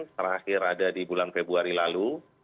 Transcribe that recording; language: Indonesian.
terakhir ada di bulan februari lalu